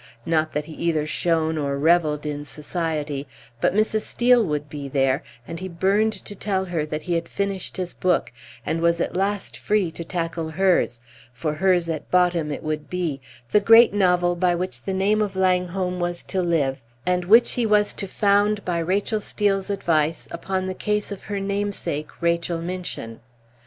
Not that he either shone or revelled in society; but Mrs. Steel would be there, and he burned to tell her that he had finished his book, and was at last free to tackle hers; for hers at bottom it would be, the great novel by which the name of Langholm was to live, and which he was to found by Rachel Steel's advice upon the case of her namesake Rachel Minchin.